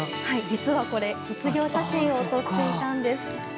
実はこれ卒業写真を撮っていたんです。